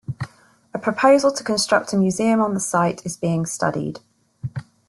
A proposal to construct a museum on the site is being studied.